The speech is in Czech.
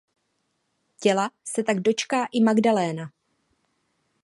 Těla se tak dočká i Magdaléna.